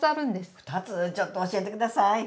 ２つちょっと教えてください。